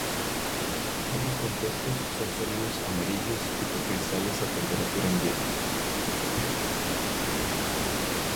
Ambos compuestos son sólidos amarillos tipo cristales a temperatura ambiente.